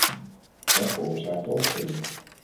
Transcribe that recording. Dat veroorzaakte opschudding.